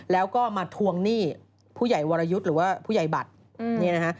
แล้วก็มาทวงหนี้ผู้ใหญ่วรยุทธ์หรือว่าผู้ใหญ่บัตรนี่นะฮะ